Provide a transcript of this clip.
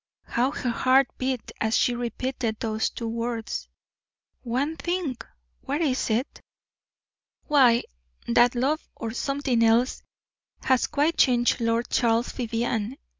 How her heart beat as she repeated those two words. "One thing! What is it?" "Why, that love, or something else, has quite changed Lord Charles Vivianne.